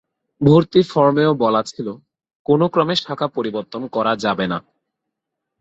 ভর্তি ফরমেও বলা ছিল, কোনো ক্রমে শাখা পরিবর্তন করা যাবে না।